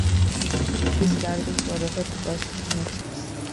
These gatherings were referred to as "synaxes".